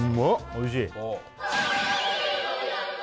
おいしい？